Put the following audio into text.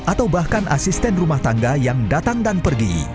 atau bahkan asisten rumah tangga yang datang dan pergi